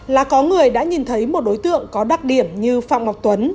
là có người đã nhìn thấy một đối tượng có đặc điểm như phạm ngọc tuấn